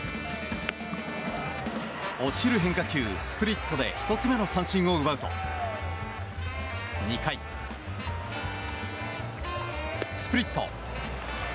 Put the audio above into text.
落ちる変化球、スプリットで１つ目の三振を奪うと、２回スプリット。